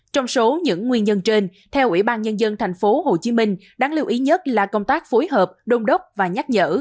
trong số những nguyên nhân trên theo ủy ban nhân dân tp hcm đáng lưu ý nhất là công tác phối hợp đông đốc và nhắc nhở